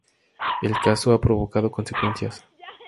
El caso ha provocado consecuencias.